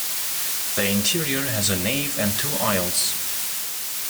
The interior has a nave and two aisles.